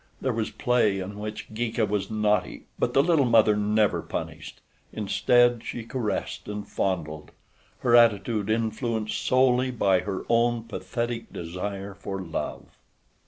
There was play in which Geeka was naughty; but the little mother never punished. Instead, she caressed and fondled; her attitude influenced solely by her own pathetic desire for love.